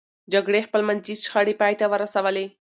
جرګې خپلمنځي شخړې پای ته ورسولې.